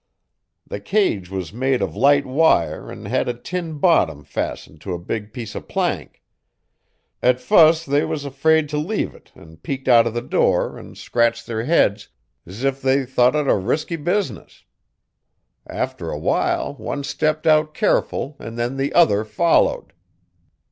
The cage was made of light wire an' hed a tin bottom fastened to a big piece o' plank. At fust they was 'fraid t' leave it an' peeked out o' the door an' scratched their heads's if they thought it a resky business. After awhile one stepped out careful an' then the other followed.